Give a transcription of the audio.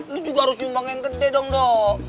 ini juga harus nyumbang yang gede dong dok